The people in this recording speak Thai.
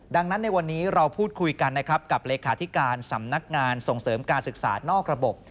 ดังนั้นในวันนี้เราพูดคุยกันนะครับกับเลขาธิการสำนักงานส่งเสริมการศึกษานอกระบบ